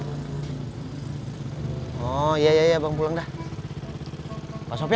nggak mau lagi uh